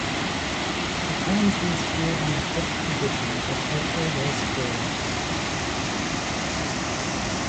At times these drew on the pulp traditions of Edgar Rice Burroughs.